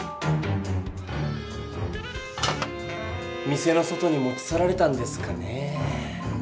店の外に持ちさられたんですかね？